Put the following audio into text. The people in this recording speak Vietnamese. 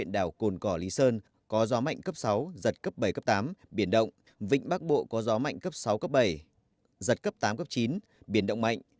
bắc bộ có gió mạnh cấp sáu cấp bảy giật cấp tám cấp chín biển động mạnh